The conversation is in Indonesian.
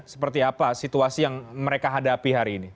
seperti apa situasi yang mereka hadapi hari ini